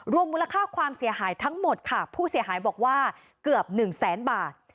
มูลค่าความเสียหายทั้งหมดค่ะผู้เสียหายบอกว่าเกือบ๑แสนบาท